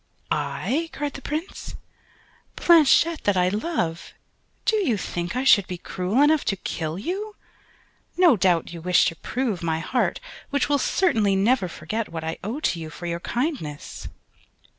"I," cried the Prince, "Blanchette that I love: do you think I should be cruel enough to kill you? No doubt, you wish to prove my heart which will certainly never forget what I owe to you for your kindness."